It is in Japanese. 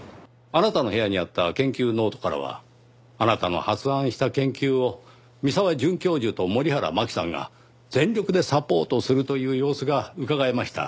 あなたの部屋にあった研究ノートからはあなたの発案した研究を三沢准教授と森原真希さんが全力でサポートするという様子がうかがえました。